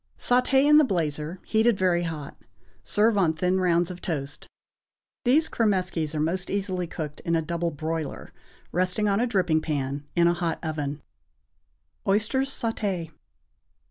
Sauté in the blazer, heated very hot. Serve on thin rounds of toast. These cromeskies are most easily cooked in a double broiler, resting on a dripping pan, in a hot oven. =Oysters Sauté.